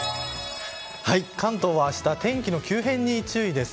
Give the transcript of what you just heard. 関東は明日天気の急変に注意です。